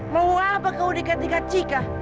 mau apa kau dekat dekat cika